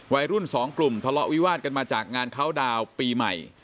วัยรุ่นสองกลุ่มทะเลาะวิวาดกันมาจากงานเคาน์ดาวน์ปีใหม่